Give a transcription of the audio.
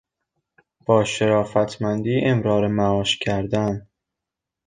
با شرافتمندی امرار معاش کردن